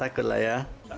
takut lah ya